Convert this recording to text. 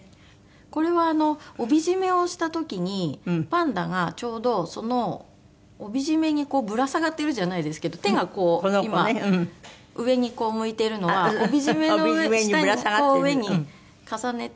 これは帯締めをした時にパンダがちょうどその帯締めにぶら下がってるじゃないですけど手がこう今上に向いてるのは帯締めの下に上に重ねて。